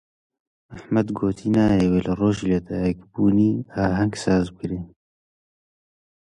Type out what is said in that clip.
ئەحمەد گوتی نایەوێت لە ڕۆژی لەدایکبوونیدا ئاهەنگ ساز بکرێت.